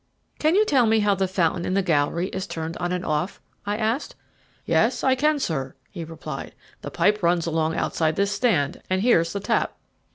"Can you tell me how the fountain in the gallery is turned on or off?" I asked. "Yes, I can, sir," he replied; "the pipe runs along outside this stand, and here's the tap."